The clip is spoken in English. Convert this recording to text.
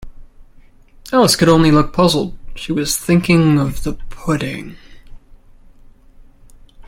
Alice could only look puzzled: she was thinking of the pudding.